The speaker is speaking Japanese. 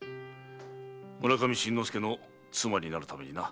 村上伸之助の妻になるためにな。